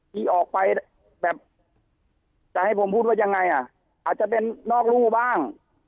ที่ออกไปแบบจะให้ผมพูดว่ายังไงอ่ะอาจจะเป็นนอกรูบ้าง